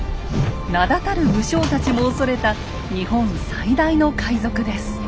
名だたる武将たちも恐れた日本最大の海賊です。